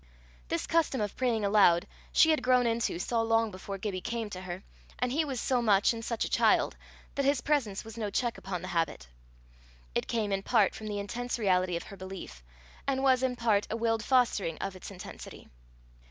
This custom of praying aloud, she had grown into so long before Gibbie came to her, and he was so much and such a child, that his presence was no check upon the habit. It came in part from the intense reality of her belief, and was in part a willed fostering of its intensity.